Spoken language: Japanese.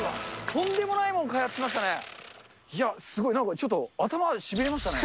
とんでもないもの開発しましたね。